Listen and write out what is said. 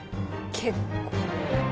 結構。